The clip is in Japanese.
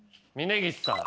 峯岸さん。